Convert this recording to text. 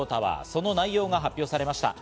その内容が発表されました。